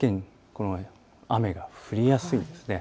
この雨が降りやすいです。